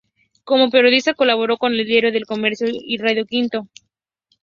Como periodista colaboró con el diario "El Comercio" y radio Quito.